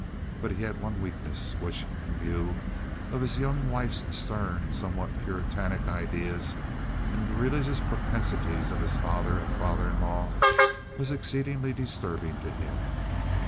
But he had one weakness, which, in view of his young wife's stern and somewhat Puritanic ideas and the religious propensities of his father and father in law, was exceedingly disturbing to him.